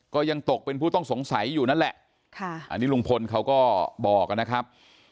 ก็ยังตกเป็นผู้ต้องสงสัยอยู่นั่นแหละค่ะอันนี้ลุงพลเขาก็บอกนะครับ